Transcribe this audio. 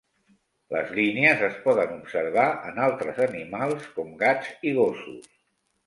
Les línies es poden observar en altres animals com gats i gossos.